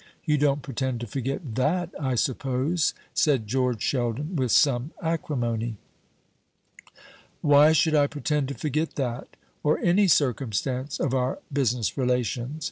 You don't pretend to forget that, I suppose?" said George Sheldon, with some acrimony. "Why should I pretend to forget that, or any circumstance of our business relations?